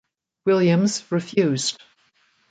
Williams refused.